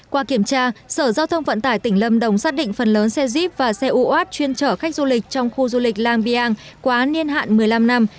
qua kiểm tra sở giao thông vận tải tỉnh lâm đồng xác định phần lớn xe jeep và xe uat chuyên chở khách du lịch trong khu du lịch làng biàng quá niên hạn một mươi năm năm